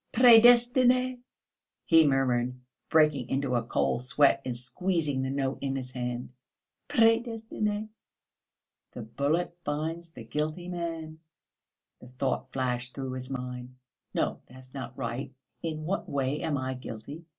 "Prédestiné," he murmured, breaking into a cold sweat and squeezing the note in his hands, "prédestiné! The bullet finds the guilty man," the thought flashed through his mind. "No, that's not right! In what way am I guilty?